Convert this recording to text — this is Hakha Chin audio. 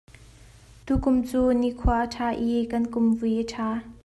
Tukum cu nikhua a ṭha i kan kum voi a ṭha.